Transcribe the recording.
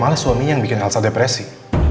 malah suaminya yang bikin rasa depresi